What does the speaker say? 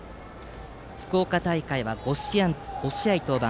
福岡大会は５試合登板。